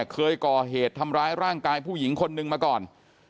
เคยก่อเหตุทำร้ายร่างกายผู้หญิงคนนึงมาก่อน